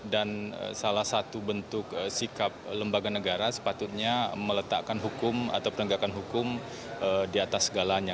dan salah satu bentuk sikap lembaga negara sepatutnya meletakkan hukum atau penegakan hukum di atas segalanya